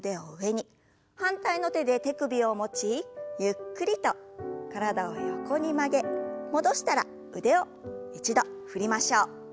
反対の手で手首を持ちゆっくりと体を横に曲げ戻したら腕を一度振りましょう。